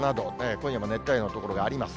今夜も熱帯夜の所があります。